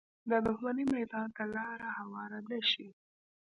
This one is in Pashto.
د دښمنۍ میدان ته لاره هواره نه شي